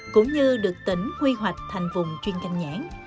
cũng như được tỉnh quy hoạch thành vùng chuyên canh nhãn